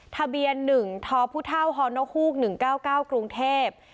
ทะเบียน๑ท้อพุท่าวฮอร์โนฮูก๑๙๙กรุงเทพฯ